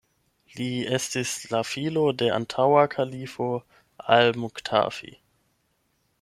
Li estis la filo de antaŭa kalifo al-Muktafi.